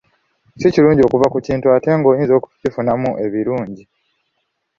Si kirungi okuva ku kintu ate nga oyinza okukifunamu ebirungi.